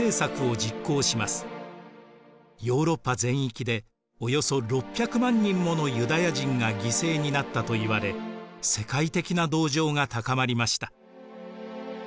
ヨーロッパ全域でおよそ６００万人ものユダヤ人が犠牲になったといわれ世界的な同情が高まりました。